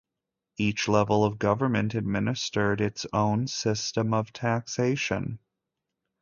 Each level of government administered its own system of taxation.